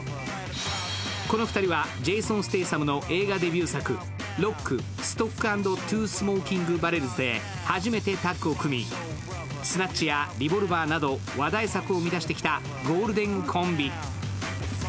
この２人は、ジェイソン・ステイサムの映画デビュー作「ロック、ストック＆トゥー・スモーキング・バレルズ」で初めてタッグを組み、「スナッチ」や「リボルバー」など話題作を生み出してきたゴールデンコンビ。